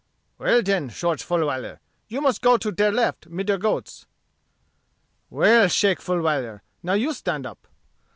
"Well, den, Shorge Fulwiler, you must go to der left mid der goats." "Well, Shake Fulwiler, now you stand up.